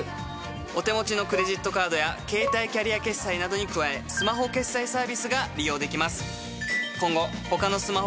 お手持ちのクレジットカードやケータイキャリア決済などに加えスマホ決済サービスが利用できます。